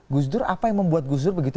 gus dur apa yang membuat gus dur begitu